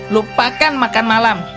lupakan makan malam